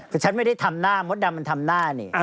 แต่ฉันไม่ได้ทำหน้ามดดำมันทำหน้านี่